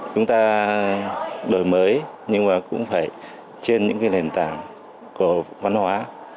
chúng ta đổi mới nhưng mà cũng phải trên những cái lền tảng của văn hóa